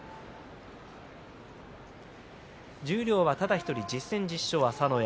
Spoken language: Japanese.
十両ただ１人、１０戦１０勝は朝乃山。